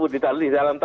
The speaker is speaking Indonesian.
di dalam tatib itu